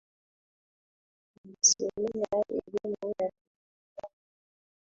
Anasomea elimu ya kupigana.